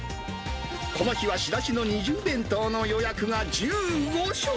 この日は仕出しの二重弁当の予約が１５食。